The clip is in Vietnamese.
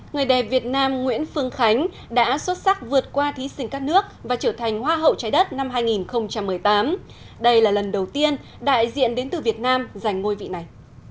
người đẹp việt nam nguyễn phương khánh đã xuất sắc vượt qua thí sinh các nước và trở thành hoa hậu trái đất năm hai nghìn một mươi tám đây là lần đầu tiên đại diện đến từ việt nam giành ngôi vị này